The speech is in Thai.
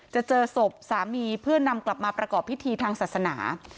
จะเจอศพสามีเพื่อนำกลับมาประกอบพิธีทางศาสนา